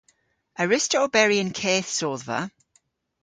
A wruss'ta oberi y'n keth sodhva?